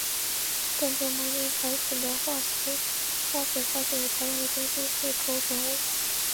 棒状毛毡苔粉的化石花粉发现于台湾的中新世构成物。